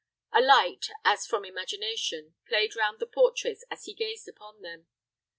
A light, as from imagination, played round the portraits as he gazed upon them.